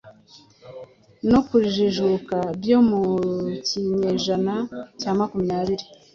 no kujijuka byo mu kinyejana cya makumyabiri.